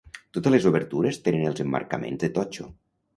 Totes les obertures tenen els emmarcaments de totxo.